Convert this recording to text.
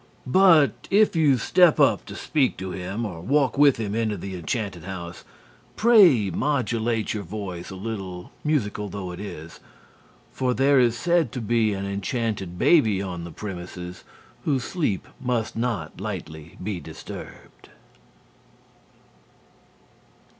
But if you step up to speak to him or walk with him into the enchanted house, pray modulate your voice a little musical though it is for there is said to be an enchanted baby on the premises whose sleep must not lightly be disturbed.